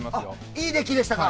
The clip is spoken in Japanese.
いい出来でしたか！